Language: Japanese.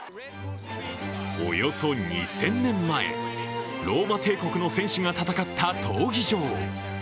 およそ２０００年前、ローマ帝国の戦士が戦った闘技場。